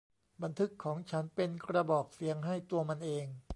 บันทึกของฉันเป็นกระบอกเสียงให้ตัวมันเอง